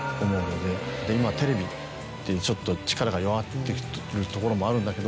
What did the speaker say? で今テレビってちょっと力が弱ってきてるところもあるんだけど。